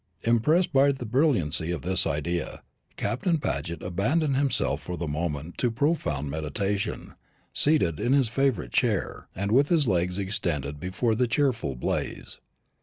Impressed by the brilliancy of this idea, Captain Paget abandoned himself for the moment to profound meditation, seated in his favourite chair, and with his legs extended before the cheerful blaze.